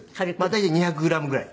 大体２００グラムぐらい。